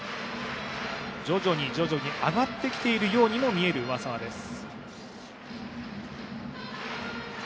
徐々に徐々に上がってきているようにも見える上沢です。